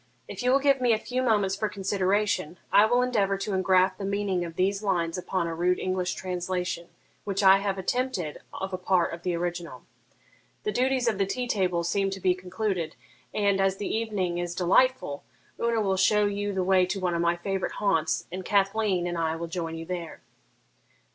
If you will give me a few moments for consideration, I will endeavour to engraft the meaning of these lines upon a rude English translation which I have attempted of a part of the original. The duties of the tea table seem to be concluded, and, as the evening is delightful, Una will show you the way to one of my favourite haunts, and Cathleen and I will join you there.'